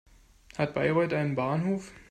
Hat Bayreuth einen Bahnhof?